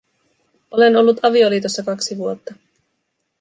Olen ollut avioliitossa kaksi vuotta.